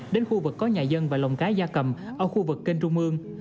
đến khu vực có nhà dân và lồng cá gia cầm ở khu vực kênh trung mương